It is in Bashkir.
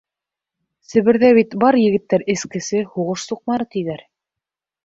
Себерҙә бит бар егеттәр эскесе, һуғыш суҡмары, тиҙәр.